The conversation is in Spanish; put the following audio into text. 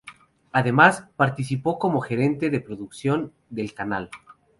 Además participó como gerente de producción del canal.